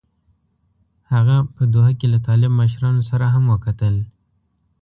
هغه په دوحه کې له طالب مشرانو سره هم وکتل.